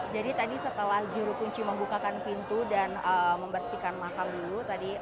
jadi tadi setelah juru kunci membukakan pintu dan membersihkan makam dulu